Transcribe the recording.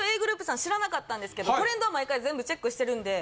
ｇｒｏｕｐさん知らなかったんですけどトレンド毎回全部チェックしてるんで。